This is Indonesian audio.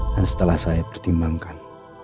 dan setelah saya pertimbangkan